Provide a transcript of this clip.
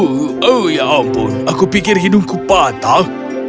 oh ya ampun aku pikir hidungku patah